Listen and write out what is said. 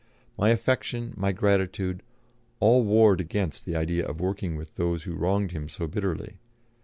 My affection, my gratitude, all warred against the idea of working with those who wronged him so bitterly.